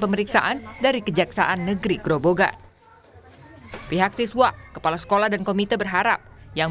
pemeriksaan dari kejaksaan negeri grobogan pihak siswa kepala sekolah dan komite berharap yang